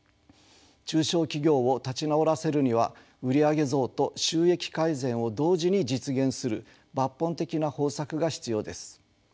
中小企業を立ち直らせるには売り上げ増と収益改善を同時に実現する抜本的な方策が必要です。